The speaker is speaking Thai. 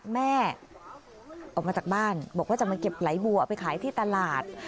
แม่ออกมาจากบ้านบอกว่าจะมาเก็บไหลบัวเอาไปขายที่ตลาด